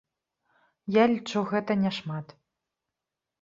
Я лічу, гэта няшмат.